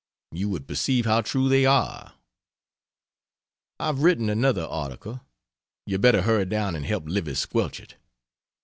You would perceive how true they are. I've written another article; you better hurry down and help Livy squelch it.